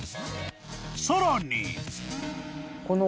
［さらに］